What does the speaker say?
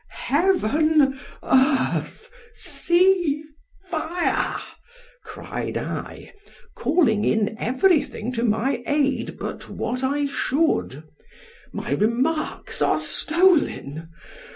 Heaven! earth! sea! fire! cried I, calling in every thing to my aid but what I should——My remarks are stolen!